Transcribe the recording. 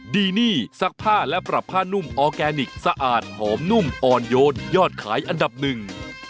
ดีนี่ซักผ้าและปรับผ้านุ่มออร์แกนิคสะอาดหอมนุ่มอ่อนโยนยอดขายอันดับหนึ่ง